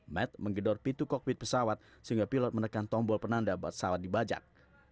med menggedor pintu kokpit pesawat sehingga pilot menekan tombol penanda buat pesawat dibajak